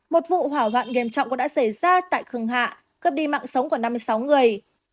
một vụ hỏa hoạn nghiêm trọng cũng đã xảy ra tại khương hạ cấp đi mạng sống của năm mươi sáu người